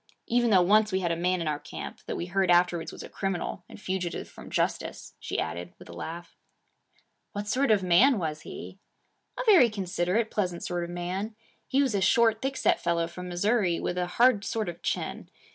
Even though once we had a man in our camp that we heard afterwards was a criminal and fugitive from justice,' she added with a laugh. 'What sort of a man was he?' 'A very considerate, pleasant sort of man. He was a short, thick set fellow from Missouri, with a hard sort of chin.